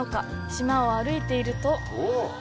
島を歩いていると。